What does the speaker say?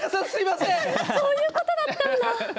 そういうことだったんだ。